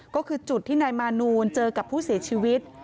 ก็คือจุดที่นายมานูลเจอกับผู้เสียชีวิต